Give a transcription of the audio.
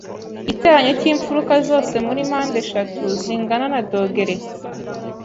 Igiteranyo cyimfuruka zose muri mpandeshatu zingana na dogere .